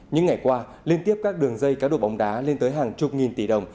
những ngày qua liên tiếp các đường dây cá độ bóng đá lên tới hàng chục nghìn tỷ đồng